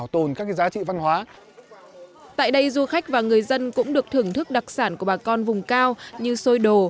tại đây du khách và người dân cũng được thưởng thức đặc sản của bà con vùng cao như xôi đồ